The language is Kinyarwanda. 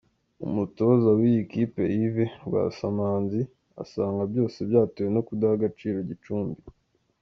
Umutoza w’iyi kipe Yves Rwasamanzi, asanga byose byatewe no kudaha agaciro Gicumbi.